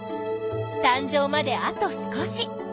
たん生まであと少し。